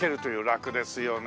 楽ですよね。